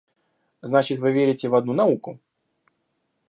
Значит, вы верите в одну науку?